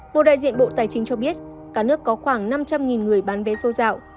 một đại diện bộ tài chính cho biết cả nước có khoảng năm trăm linh người bán vé số dạo